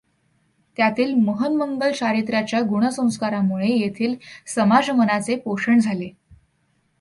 त्यातील महन्मंगल चारित्र्याच्या गुण संस्कारामुळे येथील समाजमनाचे पोषण झाले.